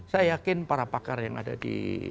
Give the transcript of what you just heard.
saya yakin para pakar yang ada di